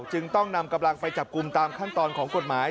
จึงต้องนำกำลังไปจับกลุ่มตามขั้นตอนของกฎหมาย